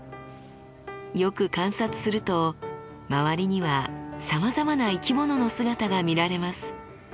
よく観察すると周りにはさまざまな生き物の姿が見られます。